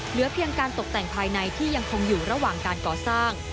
เหลือเพียงการตกแต่งภายในที่ยังคงอยู่ระหว่างการก่อสร้าง